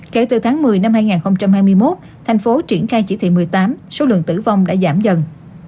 kể từ tháng một mươi năm hai nghìn hai mươi một thành phố triển khai chỉ thị một mươi tám số lượng tử vong đã giảm dần